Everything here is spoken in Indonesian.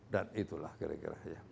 dan itulah kira kira ya